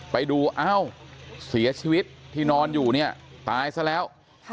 ไปดูเอ้าเสียชีวิตที่นอนอยู่เนี่ยตายซะแล้ว